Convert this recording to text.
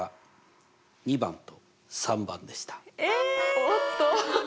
おっと！